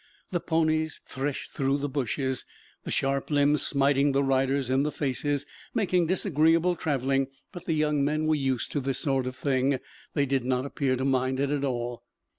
The ponies threshed through the bushes, the sharp limbs smiting the riders in the faces, making disagreeable traveling. But the young men were used to this sort of thing. They did not appear to mind it at all.